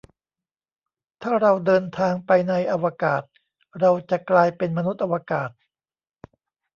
ถ้าเราเดินทางไปในอวกาศ เราจะกลายเป็นมนุษย์อวกาศ